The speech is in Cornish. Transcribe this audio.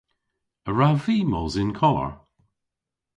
A wrav vy mos yn karr?